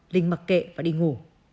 linh mặc kệ và đi ngủ